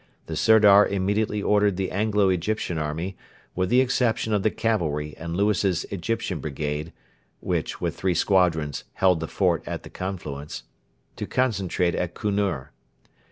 The Sirdar immediately ordered the Anglo Egyptian army, with the exception of the cavalry and Lewis's Egyptian brigade which, with three squadrons, held the fort at the confluence to concentrate at Kunur.